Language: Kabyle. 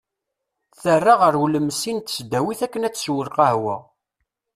Terra ɣer ulmessi n tesdawit akken ad tessew lqahwa.